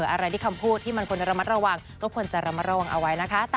อะไรที่คำพูดที่มันควรจะระมัดระวังก็ควรจะระมัดระวังเอาไว้นะคะ